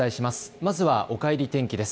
まずは、おかえり天気です。